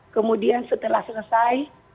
kemudian setelah selesai